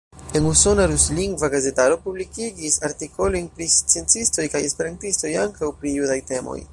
En usona ruslingva gazetaro publikigis artikolojn pri sciencistoj kaj esperantistoj, ankaŭ pri judaj temoj.